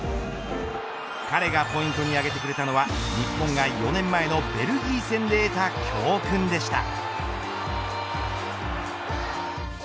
彼がポイントに挙げてくれたのは日本が４年前のベルギー戦で得た教訓でした。